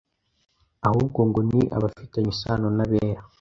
Ahubwo ngo ni abafitanye isano n'abera,